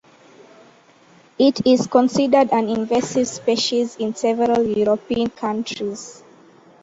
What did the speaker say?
It is considered an invasive species in several European countries.